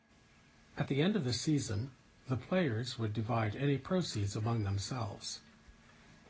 At the end of the season, the players would divide any proceeds among themselves.